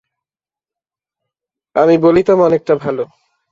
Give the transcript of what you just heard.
আমি বলিতাম, অনেকটা ভালো।